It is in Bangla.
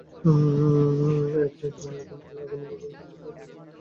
একনেকের অনুমোদন পেলে আগামী নভেম্বর-ডিসেম্বর নাগাদ রাস্তাটির কাজ শুরু হতে পারে।